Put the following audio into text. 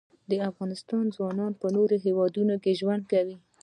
د افغانستان ځوانان په نورو هیوادونو کې ژوند کوي.